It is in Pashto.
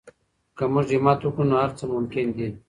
که موږ همت وکړو نو هر څه ممکن دي.